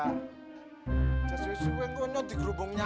jadi itu yang kamu inginkan di gerobong nyamuk bisa pada melendung itu ya